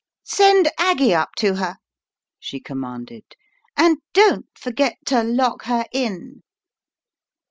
"Send Aggie up to her," she commanded, "and don't forget to lock her in."